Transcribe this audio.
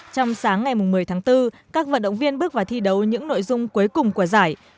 trong sáng ngày một mươi tháng bốn các vận động viên bước vào thi đấu những nội dung cuối cùng của giải